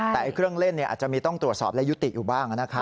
แต่เครื่องเล่นอาจจะมีต้องตรวจสอบและยุติอยู่บ้าง